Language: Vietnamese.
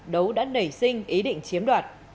đấu đã nảy sinh ý định chiếm đoạt